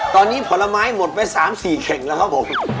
ตอนนี้ผลไม้หมดไป๓๔เข่งแล้วครับผม